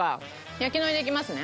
焼き海苔でいきますね。